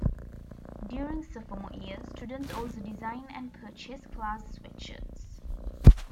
During sophomore year, students also design and purchase class sweatshirts.